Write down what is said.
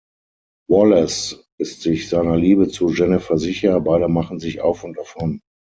Wallace ist sich seiner Liebe zu Jennifer sicher, beide machen sich auf und davon.